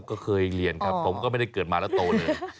ก็เคยเรียนครับผมก็ไม่ได้เกิดมาแล้วโตเลย